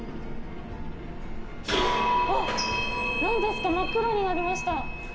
なんですか、真っ暗になりました。